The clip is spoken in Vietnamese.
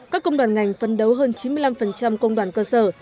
các công đoàn ngành phân đấu hơn chín mươi năm công đoàn cơ sở